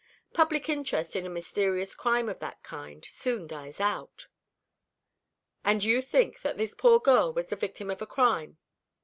Public interest in a mysterious crime of that kind soon dies out." "And you think that this poor girl was the victim of a crime?"